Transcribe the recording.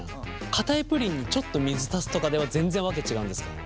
かたいプリンにちょっと水足すとかでは全然訳違うんですか？